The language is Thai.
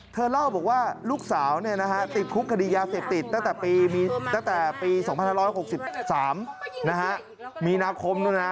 เธอเล่าบอกว่าลูกสาวติดคุกคดียาเสพติดตั้งแต่ปี๒๕๖๓มีนาคม